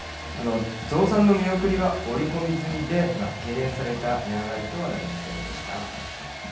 増産の見送りは織り込み済みで、懸念された値上がりとはなりませんでした。